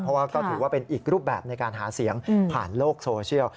เพราะว่าก็ถือว่าเป็นอีกรูปแบบในการหาเสียงผ่านโลกโซเชียล